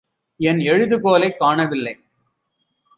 என் எழுதுகோலைக் காணவில்லை.